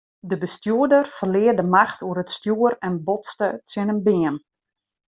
De bestjoerder ferlear de macht oer it stjoer en botste tsjin in beam.